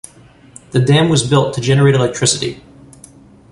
The dam was built to generate electricity.